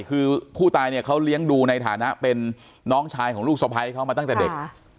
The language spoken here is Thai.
คือผู้ตายเนี่ยเขาเลี้ยงดูในฐานะเป็นน้องชายของลูกสะพ้ายเขามาตั้งแต่เด็ก